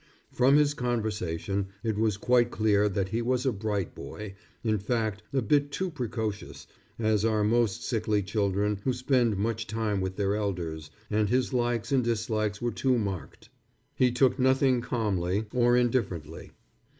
From his conversation it was quite clear that he was a bright boy, in fact, a bit too precocious, as are most sickly children who spend much time with their elders, and his likes and dislikes were too marked. He took nothing calmly or indifferently.